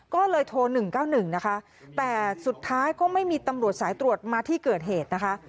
ก็เลยโทร๑๙๑นะคะแต่สุดท้ายก็ไม่มีตำรวจสายตรวจมาที่เกิดเหตุนะคะ